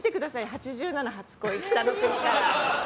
「’８７初恋北の国から」。